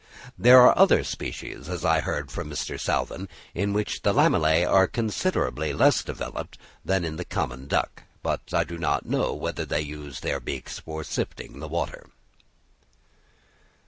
There are other species, as I hear from Mr. Salvin, in which the lamellæ are considerably less developed than in the common duck; but I do not know whether they use their beaks for sifting the water.